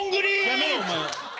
やめろお前。